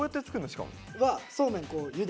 しかも。